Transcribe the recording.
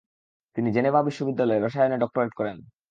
তিনি জেনেভা বিশ্ববিদ্যালয়ে রসায়নে ডক্টরেট করেন।